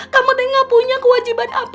kamu tuh gak punya kewajiban apa apa